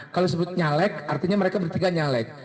kalau sebut nyalek artinya mereka bertiga nyalek